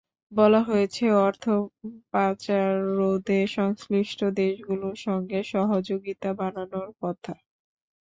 বলা হয়েছে অর্থ পাচার রোধে সংশ্লিষ্ট দেশগুলোর সঙ্গে সহযোগিতা বাড়ানোর কথা।